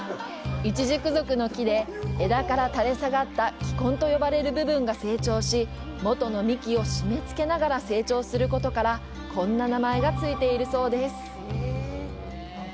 イチジク属の木で枝から垂れ下がった気根と呼ばれる部分が成長し元の幹を締め付けながら成長することからこんな名前が付いているそうです。